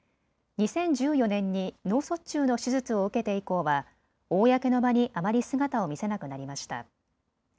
２０１４年に脳卒中の手術を受けて以降は公の場にあまり姿を見せなくなりました。